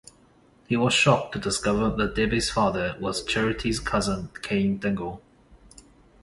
He was shocked to discover that Debbie's father was Charity's cousin Cain Dingle.